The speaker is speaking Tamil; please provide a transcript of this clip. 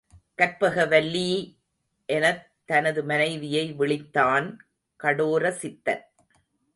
கற்பகவல்லலீ! எனத் தனது மனைவியை விளித்தான் கடோரசித்தன்.